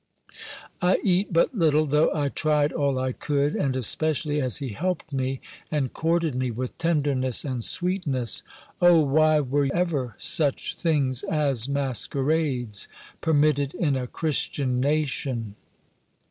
I eat but little, though I tried all I could, and especially as he helped me, and courted me with tenderness and sweetness O why were ever such things as masquerades permitted in a Christian nation!